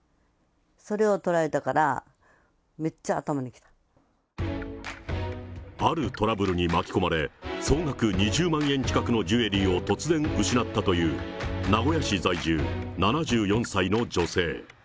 それを取られたから、あるトラブルに巻き込まれ、総額２０万円近くのジュエリーを突然失ったという、名古屋市在住、７４歳の女性。